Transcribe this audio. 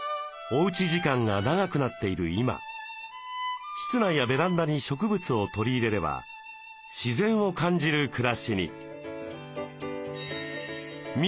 おうち時間が長くなっている今室内やベランダに植物を取り入れれば自然を感じる暮らしに。